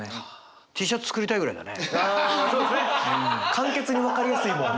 簡潔に分かりやすいもん。